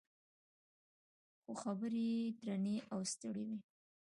خو خبرې یې درنې او ستړې وې.